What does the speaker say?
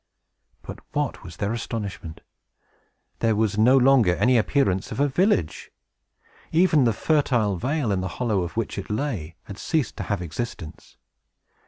But what was their astonishment! There was no longer any appearance of a village! Even the fertile vale, in the hollow of which it lay, had ceased to have existence.